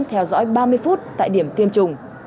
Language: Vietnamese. theo dõi ba mươi phút tại điểm tiêm chủng